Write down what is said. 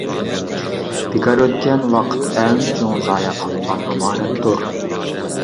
بىكار ئۆتكەن ۋاقىت ئەڭ چوڭ زايە قىلىنغان ئامانەتتۇر.